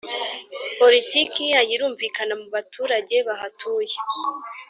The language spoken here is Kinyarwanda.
politiki yayo irumvikana mubaturage bahatuye